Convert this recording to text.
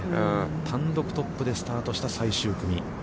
単独トップでスタートした最終組。